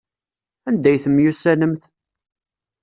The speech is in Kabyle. Anda ay temyussanemt?